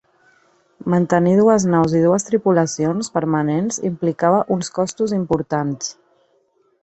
Mantenir dues naus i dues tripulacions permanents implicava uns costos importants.